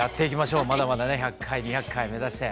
まだまだね１００回２００回目指して。